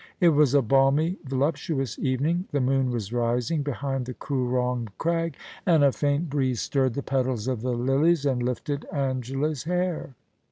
It was a balmy, voluptuous evening, the moon was rising behind the Koorong Crag, and a faint breeze stirred the petals of the lilies, and lifted Angela's hair.